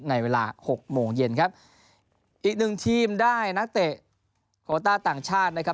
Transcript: ในเวลาหกโมงเย็นครับอีกหนึ่งทีมได้นักเตะโคต้าต่างชาตินะครับ